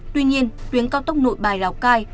tuy nhiên tuyến cao tốc nội bài lào cai